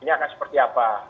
ini akan seperti apa